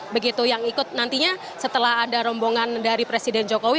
begitu yang ikut nantinya setelah ada rombongan dari presiden jokowi